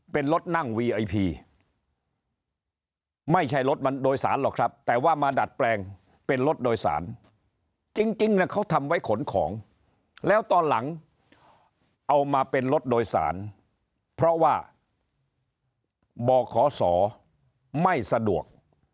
เป็นรถนั่งวีไอพีไม่ใช่รถมันโดยสารหรอกครับแต่ว่ามาดัดแปลงเป็นรถโดยสารจริงเขาทำไว้ขนของแล้วตอนหลังเอามาเป็นรถโดยสารเพราะว่าบ่อขอสอไม่สะดวก